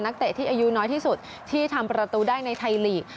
เตะที่อายุน้อยที่สุดที่ทำประตูได้ในไทยลีก